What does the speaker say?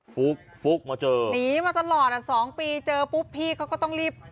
ฟุ๊กฟุ๊กมาเจอหนีมาตลอดอ่ะสองปีเจอปุ๊บพี่เขาก็ต้องรีบ